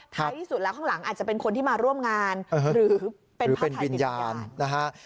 ใครที่สุดแล้วข้างหลังอาจจะเป็นคนที่มาร่วมงานหรือเป็นพพธนติศการ